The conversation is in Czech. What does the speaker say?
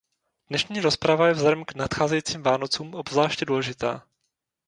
Dnešní rozprava je vzhledem k nadcházejícím Vánocům obzvláště důležitá.